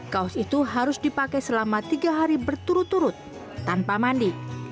kaos itu harus dipakai selama tiga hari berturut turut tanpa mandi